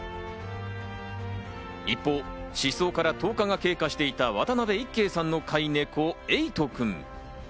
一方、失踪から１０日が経過していた、渡辺いっけいさんの飼いネコ・エイトくん。